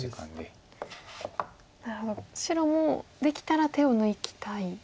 白もできたら手を抜きたい。